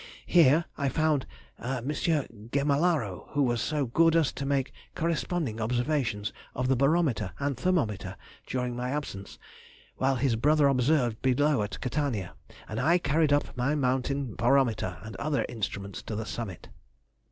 Here I found a M. Gemellaro, who was so good as to make corresponding observations of the barometer and thermometer during my absence, while his brother observed below at Catania, and I carried up my mountain barometer and other instruments to the summit.